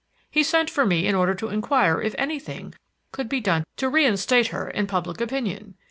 He sent for me in order to inquire if anything could be done to reinstate her in public opinion.